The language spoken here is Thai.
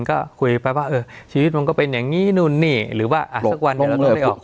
ก็คุยไปว่าเออชีวิตมันก็เป็นอย่างนี้นู่นนี่หรือว่าสักวันหนึ่งเรานึกไม่ออก